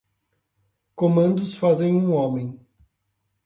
Comandos fazem um homem.